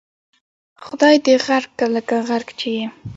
خدای دې غرق کړه لکه غرق چې یې.